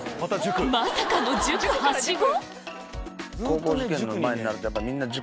まさかの塾はしご